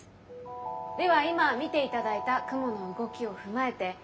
では今見ていただいた雲の動きを踏まえて。